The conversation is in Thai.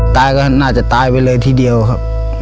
ตายก็น่าจะตายไปเลยทีเดียวครับ